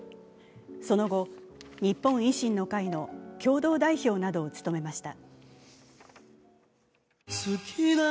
その後、日本維新の会の共同代表などを務めました。